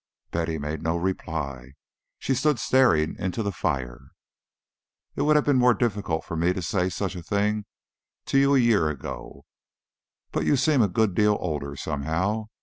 Betty made no reply. She stood staring into the fire. "It would have been more difficult for me to say such a thing to you a year ago; but you seem a good deal older, somehow.